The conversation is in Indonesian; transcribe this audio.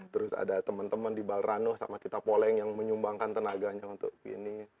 terus ada teman teman di balrano sama kita poleng yang menyumbangkan tenaganya untuk ini